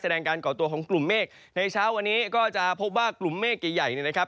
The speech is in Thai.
การก่อตัวของกลุ่มเมฆในเช้าวันนี้ก็จะพบว่ากลุ่มเมฆใหญ่เนี่ยนะครับ